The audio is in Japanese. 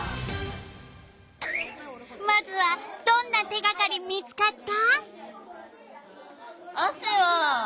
まずはどんな手がかり見つかった？